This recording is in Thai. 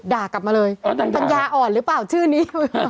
กลับมาเลยปัญญาอ่อนหรือเปล่าชื่อนี้